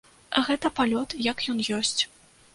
Гэта палёт як ён ёсць.